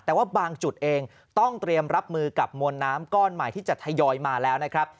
แต่ว่าบางจุดเองต้องเตรียมรับมือกับมวลน้ำก้อนใหม่ที่จะทยอยมาแล้วนะครับ